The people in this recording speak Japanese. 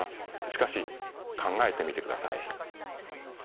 しかし考えてみてください。